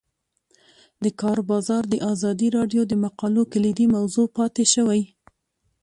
د کار بازار د ازادي راډیو د مقالو کلیدي موضوع پاتې شوی.